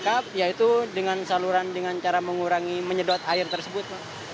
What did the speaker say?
jadi ini adalah hal yang sangat lengkap yaitu dengan saluran cara mengurangi menyedot air tersebut